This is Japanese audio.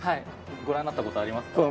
ご覧になった事ありますか？